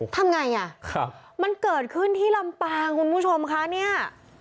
ทำไงอ่ะครับมันเกิดขึ้นที่ลำปางคุณผู้ชมคะเนี่ย